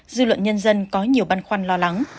dư luận nhân dân có nhiều băn khoăn lo lắng